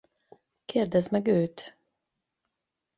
Kérdezd meg Őt!